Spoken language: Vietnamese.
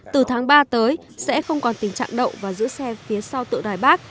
từ tháng ba tới sẽ không còn tình trạng đậu và giữ xe phía sau tượng đài bắc